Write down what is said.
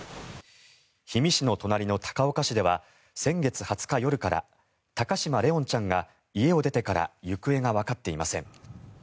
氷見市の隣の高岡市では先月２０日夜から高嶋怜音ちゃんが家を出てから行方がわかっていません。